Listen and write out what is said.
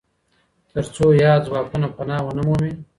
ترڅو ياد ځواکونه پناه و نه مومي.